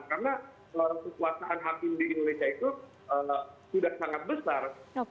karena kekuasaan hakim di indonesia itu sudah sangat besar